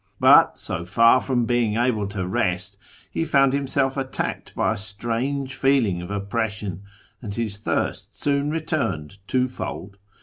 But, so far from being able to rest, he found himself attacked by a strange FROM TEHERAN to ISFAHAN 177 feeling of oppression, and his thirst soon returned twofold.